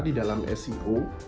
di dalam seo